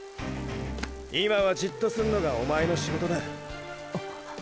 今はじっとすんのがおまえの仕事だ。っ！